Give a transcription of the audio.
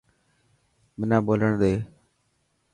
منا ٻولڻ ڏي.